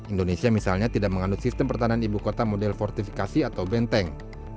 indonesia misalnya tidak mengandung sistem pertahanan ibu kota model fortifikasi atau benteng